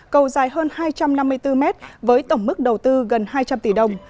cầu dài hơn hai trăm năm mươi bốn mét với tổng mức đầu tư gần hai trăm linh tỷ đồng